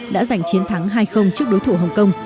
đã giành chiến thắng hai trước đối thủ hồng kông